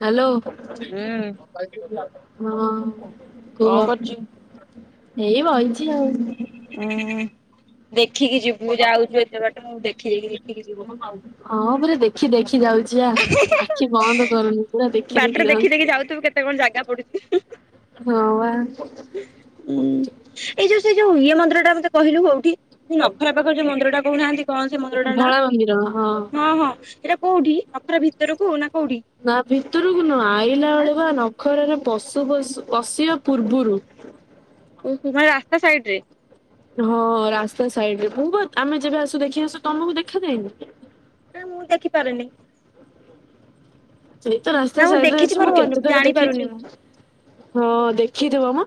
Hello. ହୁଁ ହଁ କଣ କୁହ। କରୁଛୁ? ଏଇ ବଇଚି ଆଉ। ହୁଁ ଦେଖିକି ଯିବୁ ଯାଉଚୁ ଏତେ ବାଟ। ଦେଖି ଦେଖି ଦେଖିକି ଯିବୁ। ହଁ ପୁରା ଦେଖି ଦେଖି ଯାଉଛି। ଯା ଆଖି ବନ୍ଦ କରୁନି ପୁରା ଦେଖି ଦେଖି ବାଟରେ ଯାଉ ଯାଉଥିବୁ କେତେ କଣ ଜାଗା ପଡୁଛି। ହଁ ବା। ହୁଁ ଏଇ ଯୋଉ ସେଇ ଯୋଉ ଇଏ ମନ୍ଦିର ଟା ମତେ କହିଲୁ କୋଉଠି? ନଖରା ପାଖରେ ଯୋଉ ମନ୍ଦିର ଟା କହୁନାହାନ୍ତି କଣ ସେ ମନ୍ଦିରଟା ନା? ଧଳା ମନ୍ଦିର ହଁ- ହଁ ସେଟା କୋଉଠି? ନଖରା ଭିତରକୁ ନା କୋଉଠି? ନା ଭିତରୁକୁ ନୁହଁ ଆଇଲା ଆଁ ବେଳୁକୁ ବା ନଖରାରେ ପଶୁ ପଶୁ ପସିବା ପୂର୍ବୁରୁ। କି ଭଳିଆ ରାସ୍ତା ସାଇଡ ରେ। ହଁ ରାସ୍ତା ସାଇଡ ରେ। ମୁଁ ପା ଆମେ ଯେବେ ଆସୁ ଦେଖି ଆସୁ ତମକୁ ଦେଖାାଯାଏନି। ନାଁ ମୁଁ ଦେଖିପାରୁନି। ସେଇ ତ ରାସ୍ତା ନା ମୁଁ ସାଇଡରେ ଦେଖିଛି ଅଛି ମୋର ମୁଁ ମନେ କେତେ ଥର ଜାଣିପାରୁନି ଦେଖିଛି। ମୁଁ। ହଁ ଦେଖିଥିବ ମ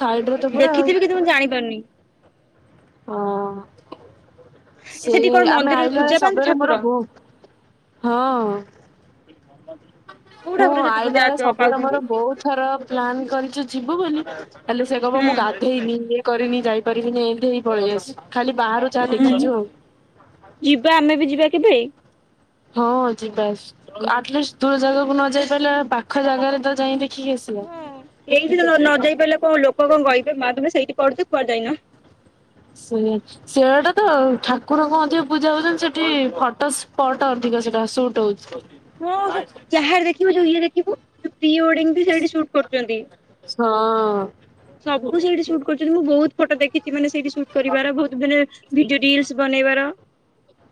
ସାଇଡରେ ତ ପୁରା ଆଉ। ଦେଖିଥିବି ମୁଁ ଜାଣିପାରୁନି। ହଁ ଏ ସେଠି ସେଇ କଣ ଆମେ ମନ୍ଦିରରେ ଆଇିଲା ପୂଜା ବେଳେ ପାଆନ୍ତି ସବେରେ ଠାକୁର? ମୋର ଭୁଉ। ହଁ କୋଉ ଠାକୁର ମୁଁ ସେଠି ଆଇଲା ପୂଜା ବେଳେ ସବୁ ପାଉଛନ୍ତି ତମର ବହୁତ। ଥର ପ୍ଲାନ୍ କରିଚୁ ଯିବୁ ବୋଲି ହେଲେ ସେ କଇବ ମୁଁ ହୁଁ। ଗାଧେଇନି। କରିନି ଯାଇପାରିବିନି ଏମିତି ହେଇ ପଳେଇ ଆସ। ଖାଲି ବାହାରୁ ଯାହା ହୁଁ। ଦେଖିଛୁ ଆଉ। ଯିବା ଆମେ ବି ଯିବା କେବେ? ହଁ ଯିବା ଆଟଲିଷ୍ଟ ଦୂର ଜାଗାକୁ ନ ଯାଇ ପାରିଲେ ପାଖ ଜାଗାରେ ତ ଯାଇକି। ଏଇଠି ତ ନ ଯାଇ ପାରିଲେ କଣ ଲୋକ କଣ କହିବେ ମା ତମେ ସେଇଠି ପଢୁଛ କୁଆଡେ ଯାଇନ। ସେ ଅଛି। ସେଟା ତ ଠାକୁରଙ୍କ ମଧ୍ୟ ପୂଜା ହଉଛନ୍ତି ସେଠି ଫଟୋ ସ୍ପଟ ଅଧିକ ସେଟା ସୁଟ ହଉଛି। ଯାହାର ଦେଖିବୁ ଯୋଉ ଇଏ ଦେଖିବୁ ଯୋଉ ପ୍ରି ୱେଡିଙ୍ଗ ବି ସେଇଠି ସୁଟ୍ କରୁଚନ୍ତି। ହଁ। ସବୁ ସେଇଠି ସୁଟ୍ କରୁଛନ୍ତି ମୁଁ ବହୁତ ଫଟ ଦେଖିଛି ମାନେ ସେଇଠି ସୁଟ କରିବାର ବହୁତ ମାନେ ଭିଡିଓ ରିଲସ୍। ବନେଇବାର।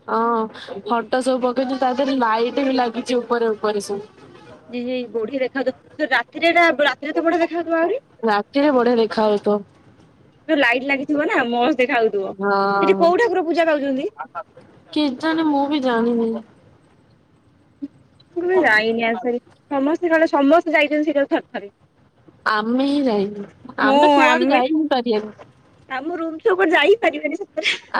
ହଁ ଫଟ ସବୁ ପକେଇଚୁ ତା ଦେହରେ ଲାଇଟ୍ ବି ଲାଗିଚି ଉପରେ ଉପରେ ସବୁ। [unintelligible] ଏଟା ତ ବଡ଼ିଆ। ରାତିରେ ବଡ଼ିଆ ଦେଖା ହୋଉଥିବ। ଯୋଉ ଲାଇଟ ଲାଗିଥିବ ନା ମସ୍ତ ଦେଖାଉଥିବ ସେଠି ହଁ। କୋଉ ଠାକୁର ପୂଜା ପାଉଛନ୍ତି? [unintelligible] କେଜାଣି ମୁଁ ବି ଜାଣିନି। ଯାଇନି ଆକ୍ଚୁଆଲି ସମସ୍ତେ କଣ ସମସ୍ତେ ଯାଇଛନ୍ତି ସେଟକୁ ଥରେ ଥରେ। ଆମେ ହିଁ ଯାଇନୁ ଆମେ କୁଆଡେ ଯାଇ ହିଁ ପାରିଆନି। ଆମ ରୁମଠୁ କୁଆଡେ ଯାଇ ହିଁ ପାରିବାନି।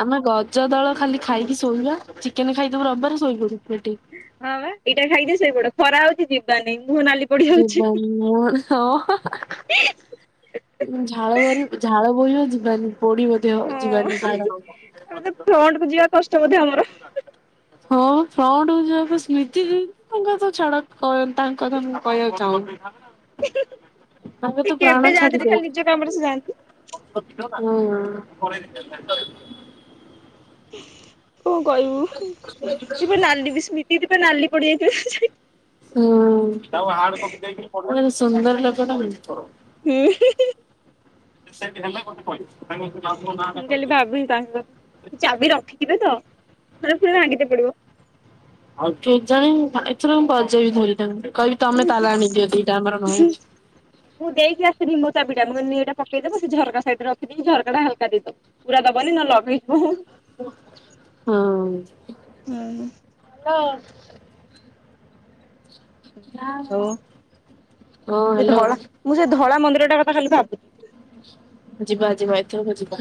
ଆମେ ରଜ ଦଳ ଖାଲି ଖାଇକି ଶୋଇବା। ଚିକେନ ଖାଇଥିବ ରବିବାରେ ଶୋଇପଡିବୁ ପେଟେଇ କି। ହଁ ବା ଏଇଟା ଖାଇଦେ ଶୋଇପଡ଼। ଖରା ହଉଛି ଯିବାନାଇଁ ମୁହଁ ନାଲି। ପଡି ଯାଉଛି। ଯିବାନି ମ ହଁ। ଝାଳ ବାହାରିବ ଝାଳ ବୋହିିବ ଯିବାନି ପୋଡ଼ିବ। ହଁ ଆମେ ତ ଫ୍ରଣ୍ଟକୁ ଯିବା କଷ୍ଟ ବୋଧେ ଆମର। ହଁ ଫ୍ରଣ୍ଟକୁ ଯିବାକୁ ସ୍ମୃତି ଦି। ତାଙ୍କର ତ ଛାଡ ତାଙ୍କ କଥା ମୁଁ କହିବାକୁ ଚାହୁଁନି। ସେ ତାଙ୍କର ତ ପ୍ରାଣ କେବେ ଯାଆନ୍ତିନି ଖାଲି ନିଜ କାମରେ ସେ ଯାଆନ୍ତି। ଛାଡିଯାଉଥିବ। ହୁଁ। କଣ କଇବୁ ସେ ବା ନାଲି ବି ସ୍ମିତି ଦି ନାଲି ପଡିଯାଇଥିଲେ ସେ। ହୁଁ ମୁଁ କହିଲି ସୁନ୍ଦର୍ ଲୋକ ଟା କି? ହିଁ -ହିଁ -ହିଁ। [unintelligible] ମୁଁ କହିଲି ଭାବିନି ତାଙ୍କକୁ ଚାବି ରଖିଥିବେ ତ ନହେଲେ ଫିର୍ ଭାଙ୍ଗିତେ ପଡିବ। ଆଉ କେଜାଣି ଏଥର ବଜେଇ କି କହିଦେଇଥାନ୍ତି କହିବି ତମେ ତାଲା ଆଣିଦିଅ ଦିଟା ଆମର ନାହିଁ। ମୁଁ ଦେଇକି ଆସିିଥିଲି ମୋ ଚାବିଟା ମୁଁ କହିଲି ଏଟା ପକେଇଦବ ସେ ଝରକା ସାଇଡରେ ରଖି ଦେଇକି ଝରକା ଟା ହାଲକା ଦେଇଦବ। ପୁରା ଦବନି ମୁଁ ଲଗେଇ [unintelligible] ହୁଁ। ହଉ ସେ ହ୍ୟାଲୋ ଧଳା ମୁଁ ସେ ଧଳା ମନ୍ଦିର ଟା କଥା ଖାଲି ଭାବୁଚି। ଯିବା ଯିବା ଏଥରକୁ ଯିବା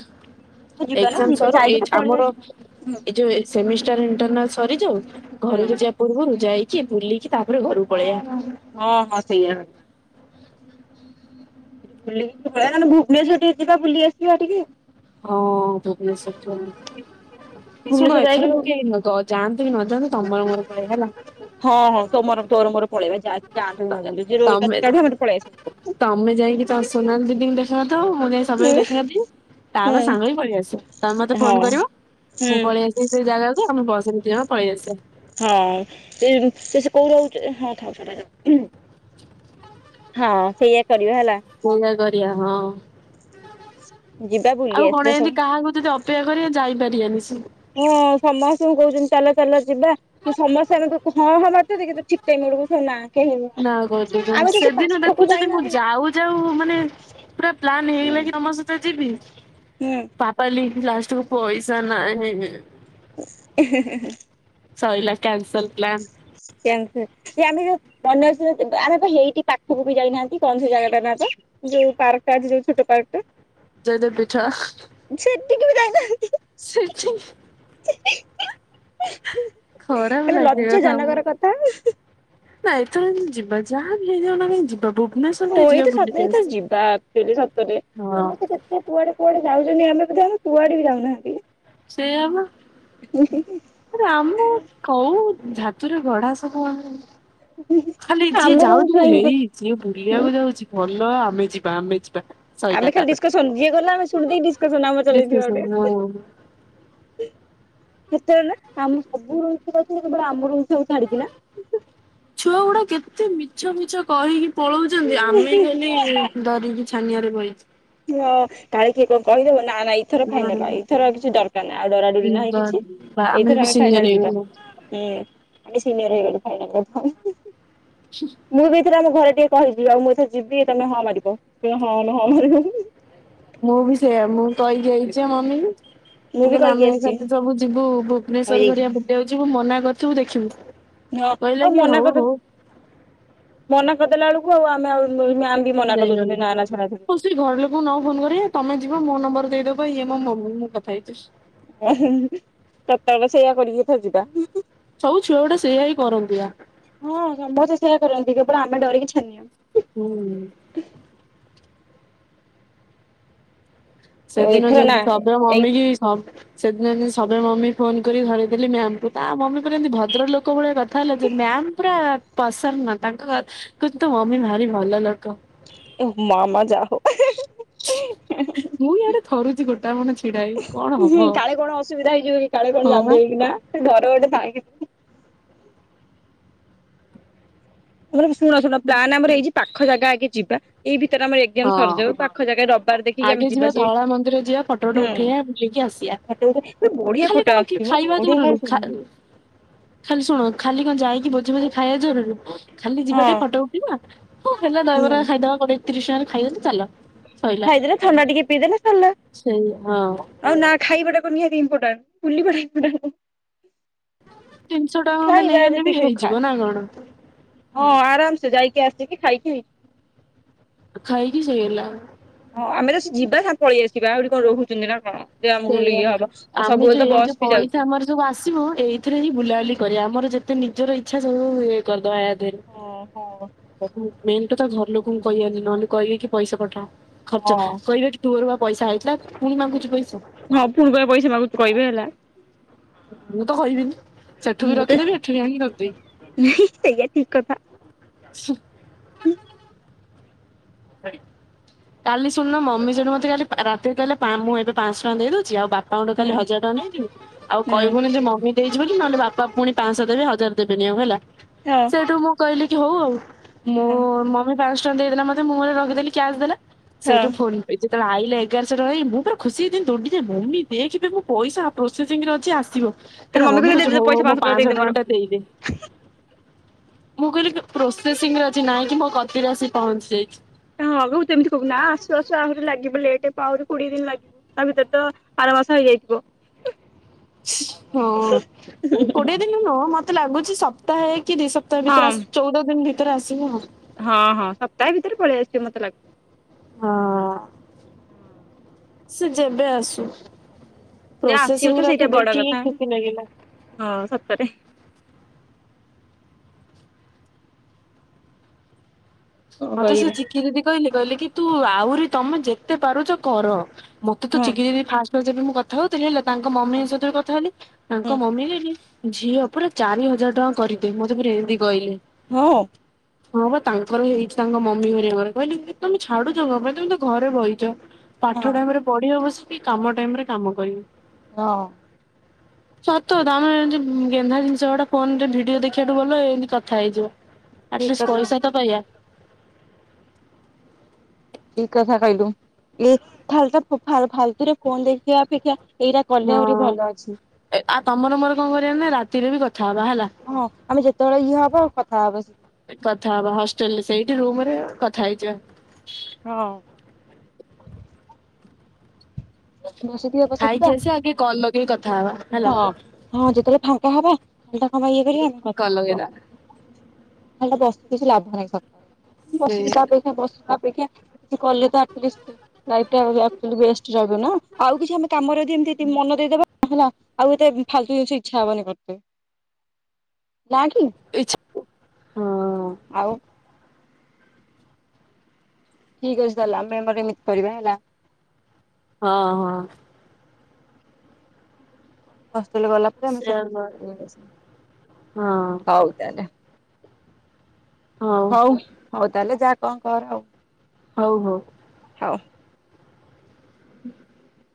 ମୁଁ ଏ ଯିବା ନା ଯିବା ସ ଯାଇକି ଏ ତ ପଳେଇ ଆମର ଆସିବୁ [unintelligible] ହୁଁ ଏଇ ଯୋଉ ସେମିଷ୍ଟାର ଇଣ୍ଟରନାଲ୍ ସରିଯାଉ ହୁଁ ଘରକୁ ଯି ପୂର୍ବରୁ ଯାଇକି ବୁଲିକି ତାପରେ ଘରକୁ ପଳେଇବା। ହଁ ହଁ ସେଇଆ କରିବା। ବୁଲିକି ଟିକେ ପଳେଇବା ନହେଲେ ଭୁବନେଶ୍ୱର ଟିକେ ଯିବା ବୁଲି ଆସିବା ଟିକେ ହଁ ଭୁବନେଶ୍ୱର [unintelligible] ହେ ଶୁଣ ଭୁବନେଶ୍ୱର ଯାଇକି ଏଥରକ କେହି [unintelligible] ଯାଆନ୍ତୁ କି ନ ଯାଆନ୍ତୁ ତମର ମୋର ପଳେଇବା ହେଲା। ହଁ ହଁ ତମର ତୋର ମୋର ପଳେଇବା ଯାଆନ୍ତୁ- ଯାଆନ୍ତୁ କି ତ- ନ ଯାଆନ୍ତୁ ଯିଏ ରୋଲ୍ କାଢୁଚି କାଢୁ ଆମେ ହେଥୁ ପଳେଇ ଆସିବା ବୁଲିକି ହୁଁ ମୁଁ ଯାଇଁକି ତମେ ସୋନାଲି ଦିଦିଙ୍କୁ ଦେଖା କରିଦବ ମୁଁ ଯାଇଁ ତମେ ହୁଁ ବି ଦେଖା କରିଦିଅ ତାପରେ ସାଙ୍ଗ ହୁଁ ହେଇକି ପଳେଇ ଆସିବା ତମେ ମତେ ହଁ ଫୋନ କରିବ ହୁଁ ମୁଁ ପଳେଇ ଆସ ସେଇ ଜାଗାକୁ ଆମେ ବସ୍ ରେ ଦି ଜଣ ପଳେଇଆସିବା। ହଁ ସେଇ ଯୋଉ ଏ ସେ କୋଉଠି ରହୁଛି? ଏ ହଁ ଥାଉ ସେଇଟ ଯାଉ ହଁ ସେଇଆ କରିବ ହେଲା। ଗଙ୍ଗା ଗଡ଼ିଆ ହଁ। ଯିବା ବୁଲି ଆଉ କଣ ଆସିବା ସବୁ। ଏନ୍ତି କାହାକୁ ଯଦି ଅପେକ୍ଷା କରିବା ଯାଇ ପାରିବାନି ସେ ହଁ ସମସ୍ତଙ୍କୁ କହୁଚନ୍ତି ଚାଲ ଚାଲ ଯିବା କି ସମସ୍ତେ କିନ୍ତୁ ଆଗକୁ ହଁ ହଁ ମାରୁଚନ୍ତି କିନ୍ତୁ ଠିକ୍ ଟାଇମ୍ ବେଳୁକୁ କହିବେ ନା। କେହି ନୁହଁ ନା ଆମେ କରିଦଉଚନ୍ତି ଯଦି ସେଦିନ ପାଖକୁ ଦେଖୁଚନ୍ତି ମୁଁ ଯାଇନାହାନ୍ତି ଯାଉ ଯାଉ ମାନେ ପୁରା ପ୍ଲାନ୍ ହେଇଗଲା କି ତମ ସହିତ ଯିବି ହୁଁ। [unintelligible] ଲାଷ୍ଟକୁ ପଇସା ନାହିଁ। ହେ ହେ। ସଇଲା କ୍ୟାନ୍ସଲ୍ ପ୍ଲାନ୍। କ୍ୟାନ୍ସଲ୍! ସେ ଆମେ ଯୋଉ ଅନ୍ୟ [unintelligible] ଆମେ ବା ଏଇଠି ପାଖକୁ ବି ଯାଇନାହାନ୍ତି କଣ ସେ ଜାଗାଟା ନା ତ ଯୋଉ ପାର୍କଟା ଅଛି ଯୋଉ ଛୋଟ ପାର୍କଟା ଜୟଦେବ ପୀଠ ସେଠି କି ବି ଜାଇଥାନ୍ତି। ସେ ଯୋଉ ଖରାପ ମାନେ ଲାଗିବ ଲଜ୍ଜା ଥାମ ଜନକର କଥା। ନା ଏଥର କିନ୍ତୁ ଯିବା ଯାହା ବି ହେଇଯାଉ ନା କାଇଁ ଯିବା ଭୁବ୍ ହଁ ଏଇ ଥର ସତ କଥା ଯିବା ଆକଚୁଆଲି ସତରେ ହଁ ସମସ୍ତେ କେତ ସେ କୁଆଡେ କୁଆଡେ ଯାଉଚନ୍ତି ଆମେ ବୋଧେ ଆମେ କୁଆଡେ ବି ଯାଉନାହାନ୍ତି। ସେଇଆ ବା ଆରେ ଆମ କୋଉ ଧାତୁରେ ଗଢା ସବୁ ଆମେ ଖାଲି ଯିଏ ଆମ ରୁମ ଯାଉଥିବ ଛୁଆ ହେଇ ହିଁ ଯିଏ ବୁଲିବାକୁ ଯାଉଚି ଭଲ ଆମେ ଯିବା ଆମେ ଯିବା ସଇଲା ଆମେ ଖାଲି ତାପରେ ଡିସ୍କସନ୍ ଯିଏ ଗଲା ଆମେ ଶୁଣି ଦେଇ ଡିସ୍କସନ୍ ଆମର ଚଲେଇଥିବା ଡିସ୍କସନ୍ ହଁ। ଗୋଟେ। ସେତେବେଳେ ନା ଆମ ସବୁ ରୁମ୍ ଛୁଆ ଯାଉଥିବେ କେବଳ ଆମ ରୁମ୍ ଛୁଆକୁ ଛାଡକିନା ଛୁଆଗୁଡା କେତେ ମିଛ ଫିଛ କହିକି ପଳଉଚନ୍ତି ଆମେ ଖାଲି ଅନା ଡରିକି ଛାନିଆରେ ବଇଚି ହଁ କାଳେ କିଏ କଣ କହିଦବ ନା ନାଇଁ ଏ ଥର ଫାଇନାଲ ଏଇଥର ଆଉ କିଛି ଦରକାର ନାହିଁ ଆଉ ଡରାଡରି ନାହିଁ କିଛି ଏଇଥର ବି ଆମେ ସିନିୟର ଫାଇନାଲ ଯିବା। ହେଇଗଲୁ ହୁଁ ଆମେ ସିିନିୟର ହେଇଗଲେ ଫାଇନାଲ ଇଅର୍ [unintelligible] ସ। ମୁଁ ବି ଏଥର ଆମ ଘରେ ଟିକେ କହିିବି ଆଉ ମୁଁ ଏଥର ଯିବି ତମେ ହଁ ମାରିବ କହିଲେ ହଁ ଆମେ ହଁ ମାରିବୁ। ମୁଁ ବି ସେଇୟା ମୁଁ କହିକି ଆଇଚି ଆ ମମିକୁ ମୁଁ ବି କହିଲି କହିକି ଆମେ ଆସିଛି ଏଥରକ ସବୁ ଯିବୁ ଭୁବନେଶ୍ଵର କହିଦେଇଛି ଘରିକା ବୁଲିବାକୁ ଯିବୁ ମନା କରିଥିବୁ ଦେଖିବୁ। ହଁ କହିଲା ଆଉ କି ମନା ହଉ ହଉ କରିଦବୁ ମନା କରିଦେଲା ବେଳକୁ ଆଉ ଆମେ ଆଉ ମ୍ୟାମ୍ ବି ମନା କରିଦଉଛନ୍ତି ନା ନା ଛଡ଼ା ଛଡି ନାହିଁ। ସିଏ ଘର ଲୋକଙ୍କୁ ନ ଫୋନ କରିବେ ତମେ ଯିବ ମୋ ନମ୍ବର ଦେଇଦବ ଇଏ ମୋ ମମି ମୁଁ କଥା ହେଇଯିବି। ଓ ହେଇ ସତ କଥା ସେଇଆ କରିକି ଏଥରକ ଯିବା। ସବୁ ଛୁଆ ଗୁଡା ସେଇଆ ହିଁ କରନ୍ତିଆ। ହଁ ସମସ୍ତେ ସେଇଆ କରନ୍ତି କେବଳ ଆମେ ଡରିକି ଛାନିଆ। ହୁଁ। ସେଦିନ ଏଥର ନା ଯେମତି ଶବ୍ୟ ଏଇ ମମି କିି ସବ ସେଦିନ ସବବେ ମମି ଫୋନ କରି ଧରାଇଦେଲି ମାମଙ୍କୁ ତା ମମି କମି ଭଦ୍ର ଲୋକ ଭଳିଆ କଥା। ତା ଯେ ମ୍ୟାାମ ପୁରା ପସନ୍ଦ ନା ତାଙ୍କ କିନ୍ତୁ ତ ମମି ଭାରି ଭଲ ଲୋକ। ମାମା ଯା ହଉ। [unintelligible] ମୁଁ ଆଆଡେ ଥରୁଛି ଗୋଟାମଣ ଛିଡାାଇ କଣ ହବ କାଳେ କଣ ହଁ ବା। ଘର ଗୋଟେ ସାଇ। ଆମର ଶୁଣ ଶୁଣ ପ୍ଲାନ୍ ଆମର ଏଇ ପାଖ ଜାଗା ଆଗେ ଯିବା ଏଇ ଭିତରେ ଆମର। ଆମେ ହଁ। ସରିଯାଉ ପାଖ ଜାଗା ରବିବାର ଦେଖିକି ଆଗେ ଆମେ ଯିବା ସୁଁ। ଧଳା ମନ୍ଦିର ଯିବା ଫଟୋ ଫଟୋ ଉଠେଇବା ବୁଲିକି ଆସିବା ସେ ବଢିଆ ଖାଲି ପଟା କଣ କି ଆସୁଛି ଖାଇବା ବଢିଆ ଜରୁରୀ କଣ ଖା ଶୁଣନ୍ତୁ। ଖାଲି ଶୁଣ ଖାଲି କଣ ଯାଇକି ବୋଝ ଭଜି ଖାଇବା ଜରୁରି। ଖାଲି ଯିବା ହଁ ଟିକେ ଫଟୋ ଉଠିବା ହଉ ହେଲା ହୁଁ ଦହବରା ଖାଇଦବା କୋ ତିରିଶ ଟଙ୍କାରେ ଖାଇଦେ ଚାଲ। ସଇଲା ଖାଇଦେଲେ ସଣ୍ଡ ଟିକେ ପିଇଦେ ନା ସାନ। ସେଇ ହଁ ଆଉ ନା ଖାଇବାଟା ନିହାତିଟା ଇମ୍ପୋର୍ତନ୍ତ୍ ବୁଲିବା ଇମ୍ପୋର୍ଟ। ତିନିଶହ ଟଙ୍କା ଖଣ୍ଡେ ଖାଇବା ନେଇ ଆଲେେ ବି ଯେତିକି ଖା ହେଇଯିବ ନା କଣ। ହଁ ଆରାମସେ ଯାଇକି ଆସିକି ଖାଇକି। ଖାଇକି ସେଇଗଲା। ହଁ ଆମେ ତ ସେ ଯିବା ସାଙ୍ଗେ ପଳେଇ ଆସିବା ଆଉଠି କଣ ରହୁଛନ୍ତି ନା କଣ। ଆମକୁୁ ଇଏ ସେଇଆ ହବ ଆଉ ଆମେ ସବୁବେଳେ ଯୋଉ ତ ଏଇ ବସ୍ ଯୋଉ ବି ପଇସା ଚାଲିଛି। ଆମର ସବୁ ଆସିବ ଏଇଥିରେ ହିଁ ବୁଲାବୁଲି କରିବା ଆମର ଯେତେ ନିଜର ଇଚ୍ଛା ସବୁ ଇଏ କରିଦବା ୟାର। ହଁ ହଁ ମେନ୍ ଟୁ ତ ଘର ଲୋକଙ୍କୁ କହିବନି ନହେଲେ କହିବି କି ପଇସା ପଠା। ଖର୍ଚ୍ଚ ହଁ କହିବେ ଏଠି ତୁୋ ରୁଆ ପଇସା ହେଇଥିଲା ପୁଣି ମାଗୁଛି ପଇସା। ହଁ ପୁଣି କରିବା ପଇସା ମକୁ କହିବେ ହେଲା। ମୁଁ ତ କହିବିନି ସେଠୁ ବି ରଖିଦେବି ଏଠୁ ବି ଆଣିକି ରଖିଦେବି। ନେହି ସେଇଆ ଠିକ କଥା। ଶିଖ। ହୁଁ କାଲି ଶୁଣନ ମମି ଜଣେ ମତେ କାଲି ରାତିରେ କହିଲେ ମୁଁ ଏବେ ପାଞ୍ଚ ଟଙ୍କା ଦେଇଦଉଛି ଆଉ ବାପା। ଆଉଟ କାଲି ହୁଁ ହଜାର ଟଙ୍କା ନେଇଥିଲି ଆଉ କହିବୁି ମମି। ଦେଇଯିବ ବୋଲି ନହେଲେ ବାପା ପୁଣି ପାଞ୍ଚଶହ ଦେବେ ହଜାର ଦେବେନି ଆଉ ହେଲା। ହଁ। ସେଠୁ ମୁଁ କହିଲି କି ହଉ ଆଉ ମୁଁ ହଁ ମମି ପାଞ୍ଚ ଟଙ୍କା ଦେଇଦେଲା ମତେ ମୁଁ ଗ ରଖିଦେଲି କ୍ୟା ଦେଲା। ହଁ ସେଇଠୁ ଫୋନ ଯେତେବେଳେ ଆଇଲେ ଏଗାରହ ଟଙ୍କା ଏଇ ମୁଁ ପୁର ଖୁସି ହେଇିନ ଦୁଡି ମୁମି ଦେଖିବେ ମୁଁ ପଇସା। ପ୍ରୋସେସିଂରେ ଅଛି ଆସିବ ତୋର ହେଲା କୁ ମମି କହୁଛ ଦେଇଦେ ହଉ ହଉ ପଇସା ମୁଁ ପାଞ୍ଚଶହ ଦେଇଦେ ମୋର। ଟଙ୍କା ଟା ଦେଇଦେ। ମୁଁ କହିଲି ପ୍ରୋସେସିଂରେ ଅଛି ନାଇଁ କି ମୋ କତିରେ ଆସି ପହଞ୍ଚି ଯାଇଛି। ହଁଗ ମୁଁ ତମିତି କହୁ ନା ଆସୁ ଆସୁ ଆହୁ ଲାଗିବ ଲେଟ୍। ଆହୁରି କୋଡିଏ ଦିନ ଲାଗିବ ତା ଭିତରେ ତ ଆର ମାସ ହେଇଯାଇଥିବ। ହଁଁ କୋଡିଏ ଦିନ ନୁହଁ ମତେ ଲାଗୁଛି ସପ୍ତାହେ କି ଦିଇ ସପ୍ତାହ। ତ ଭିତରେ ହଁ ଆ ଚଉଦ ଦିନ ଭିତରେ ଆସିବ ଆଉ। ହଁ ହଁ ସପ୍ତାହେ ଭିତରେ ପଳେଇ ଆସିବେ ମତେ ଲାଗୁଛି। ହଁ ହଁ। ସେ ଯେବେ ଆସୁ। ହୁଁ ପ୍ରୋସେସିଂ ଆସିବ ତ ରେ ଅଛି ସେଇଟା ବଡ ଦେଖିକି କଥା ଖୁସି ଲାଗିଲା ହଁ ସତରେ। କଣ ମତେ ସେ କରିବି ଚିକି ଯଦି କହିଲେ କହିଲେ କି ତୁ ଆହୁରି ତମେ ଯେତେ ପାରୁଛ କର ମ ତ ତ ହଁ ଚି ଫା ଫ କଥା ହଉଥିଲି ହେଲା ତାଙ୍କ ହଁ ମମିରେ କଥା ହେଲି ତାଙ୍କ ମମି ହେ। ଝିଅ ପୁରା ଚାରି ହଜାର ଟଙ୍କା କରିଦିଏ ମତେ ପୁରରେ ଏମିତି କହିଲେ। ହଁ ହଁ ବା ତାଙ୍କର ହେଇଛି ତାଙ୍କ ମମି ହରିଆଙ୍କର କହିଲେ ତମେ ଛାଡୁଛ ପାଇଁ ତମେ ତ ଘରେ ବଇଛ। ହଁ ପାଠ ଟାଇମ ରେ ପଢିବବଶ୍ୟ କି କାମ ଟାଇମ ରେ କାମ କରିବ। ହଁ ସତ ତମର ଏମତି ଗେନ୍ଧା ଜିନିଷ ଗୁଡା ଫୋନ ରେ ଭିଡିଓ ଦେଖିବାଠୁ ଗଲ ଏମିତି କଥା ହେଇଯିବ। ଠିକ ଆଟଲିଷ୍ଟ କଥା ପଇସା ତ ପାଇଆ। ଠିକ କଥା କହିଲୁ ଏଇ ଫାଲା ଫାଲତୁରେ ଫୋନ ଦେଖିବା ଅପେକ୍ଷା ଏଇରା କଲେ ଆହୁରି ଭଲ ଅଛି। ଆଉ ତମର ମୋର କଣ କରିବା ନା ରାତିରେ ବି କଥା ହବା ହେଲା। ହଁ ଆମେ ଯେତେବେଳେ ଇଏ ହବ ଆ କଥା ହବ। କଥା ହବା ହଷ୍ଟେଲରେ ସେଇଠି ରୁମରେ କଥା ହେଇଯିବା। ହଁ। ବସିଥିବା ବସିଥିବା ଖାଇକି ଆସି ଆଗେ କଲ ଲଗେଇକି କଥା ହେବା। ହଁ ହଁ ଯେତେବେଳେ ଫାଙ୍କା ହବା ତାଙ୍କ ପାଇଁ ୟେ କରିବା କଲ [unintelligible] ଲଗେଇଲା ଖା ରେ ବସିକି କିଛି ଲାଭ ନାହିଁ ସର ସେଇଆ। ବସିକିପେକ୍ଷା ବସ ଅପେକ୍ଷା କି କଲେତ ଆଟଲିଷ୍ଟ [unintelligible] ର ହିବନା ଆଉ କିଛି ଆମେ କାମରେ ଯି ଏମତି ମନ ଦେଇଦବା। ହେଲା ଆଉ ଏତେ ଫାଲତୁ ଜିନିଷ ଇଚ୍ଛା ହବନି କରତେ ନା କି? ଇଛା ଆଉ ଠିକ୍ ଅଛି ତାହେଲେ ଆମେ ଆମର ଏମିତି କରିବା ହେଲା। ହଁ ହଁ। ହଷ୍ଟେଲ ଗଲା ପରେ ଆମେ ସେୟା କର ସେମତିୁ ହଁ। ହଉ। ଚାଲେ, ହଉ ହଉ ତାହେଲେ ଯାହା କଣ କର ଆଉ। ହଉ ହଉ। ହଉ। [inaudible]